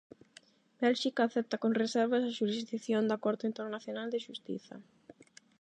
Bélxica acepta con reservas a xurisdición da Corte internacional de Xustiza.